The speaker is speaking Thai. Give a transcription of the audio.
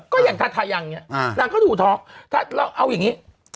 ก็อย่างทาทายังเนี่ยนางก็ดูท้องถ้าเราเอาอย่างนี้